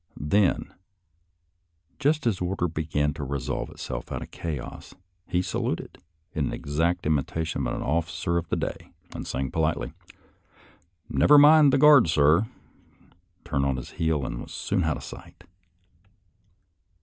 Then, just as order began to resolve itself out of chaos, he saluted, in exact imitation of an officer of the day, and saying, politely, " Never mind the guard, sir," turned on his heel and was soon out of sight.